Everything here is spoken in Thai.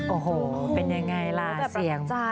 โอ้โหเป็นยังไงล่ะเสียง